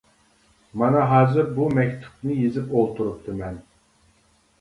مانا ھازىر بۇ مەكتۇپنى يېزىپ ئولتۇرۇپتىمەن.